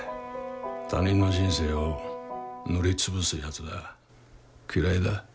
他人の人生を塗り潰すやつが嫌いだ。